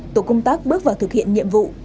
tổ công tác bước vào thực hiện nhiệm vụ